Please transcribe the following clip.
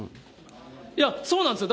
いや、そうなんですよ。